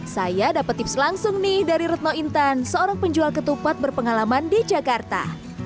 saya dapat tips langsung nih dari retno intan seorang penjual ketupat berpengalaman di jakarta